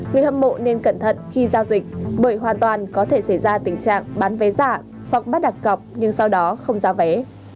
người hâm mộ nên cẩn thận khi giao dịch bởi hoàn toàn có thể xảy ra tình trạng bán vé giả hoặc bắt đặt cọc nhưng sau đó không giao vé